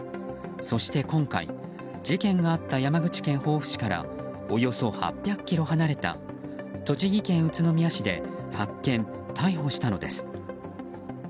そして今回、事件があった山口県防府市からおよそ８００ｋｍ離れた栃木県宇都宮市で発見逮捕したのです。